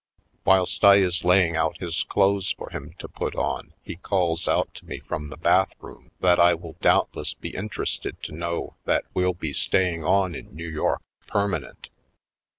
Whilst I is laying out his clothes for him to put on he calls out to me from the bath room that I will doubtless be interested to know that we'll be staying on in New York permanent.